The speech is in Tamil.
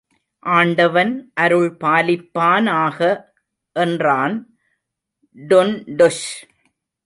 ஆண்டவன் அருள் பாலிப்பானாக! என்றான் டுன்டுஷ்.